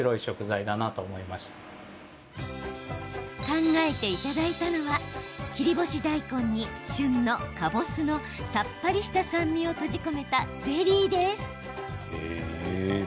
考えていただいたのは切り干し大根に旬のかぼすのさっぱりした酸味を閉じ込めたゼリーです。